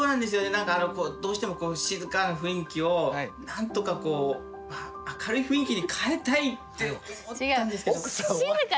何かあのどうしても静かな雰囲気をなんとかこう明るい雰囲気に変えたいって思ったんですけど。